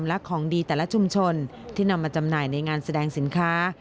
และของดีแต่ละชุมชนที่นำมาจำหน่ายในงานแสดงสินค้า